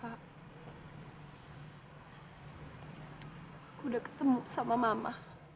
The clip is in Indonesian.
aku udah ketemu sama mama